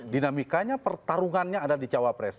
dinamikanya pertarungannya ada di cawapres